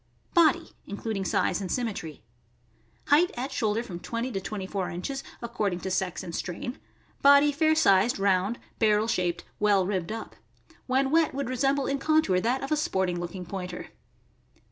Body (including size and symmetry). — Height at shoul der from twenty to twenty four inches, according to sex and strain; body fair sized, round, barrel shaped, well ribbed up. When wet would resemble in contour that of a sporting looking Pointer.